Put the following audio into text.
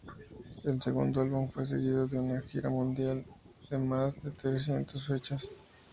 El segundo álbum fue seguido de una gira mundial de más de trescientos fechas.